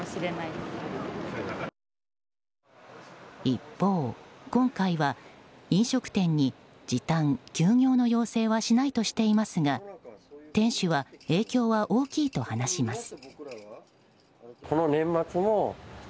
一方、今回は飲食店に時短・休業の要請はしないとしていますが店主は影響は大きいと話します。